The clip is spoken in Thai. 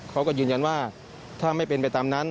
เขาก็ยืนยันว่าถ้าไม่เป็นไปตามนั้น